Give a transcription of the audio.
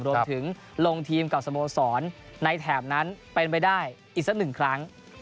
รวมถึงลงทีมกับสโมสรในแถบนั้นเป็นไปได้อีกสักหนึ่งครั้ง